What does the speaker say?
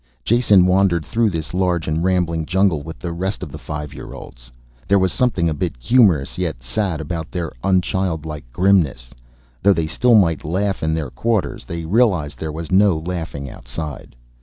Jason wandered through this large and rambling jungle with the rest of the five year olds. There was something a bit humorous, yet sad, about their unchildlike grimness. Though they still might laugh in their quarters, they realized there was no laughing outside.